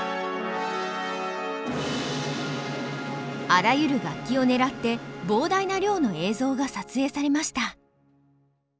あらゆる楽器を狙って膨大な量の映像が撮影されました。